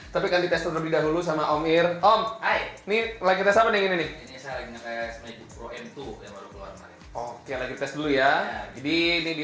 seksi kansel kami hari ini